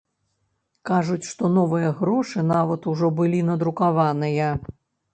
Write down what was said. Кажуць, што новыя грошы нават ужо былі надрукаваныя.